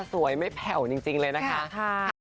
สวยไม่แผ่วจริงเลยนะคะ